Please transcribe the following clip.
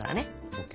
ＯＫ。